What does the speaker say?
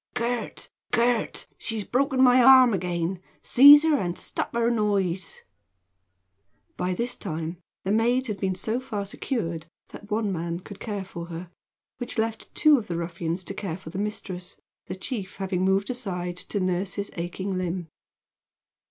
"Gurt! Gurt! she's broken my arm again! Seize her and stop her noise!" By this time the maid had been so far secured that one man could care for her, which left two of the ruffians to care for the mistress, the chief having moved aside to nurse his aching limb.